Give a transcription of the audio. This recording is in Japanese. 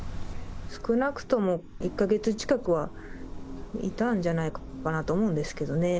少なくとも１か月近くはいたんじゃないのかなと思うんですけどね。